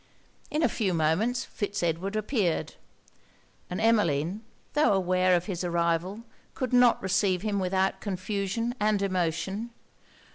In a few moments Fitz Edward appeared; and Emmeline, tho' aware of his arrival, could not receive him without confusion and emotion.